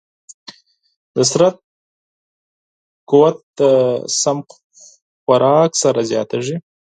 د بدن قوت د صحي خوراک سره زیاتېږي.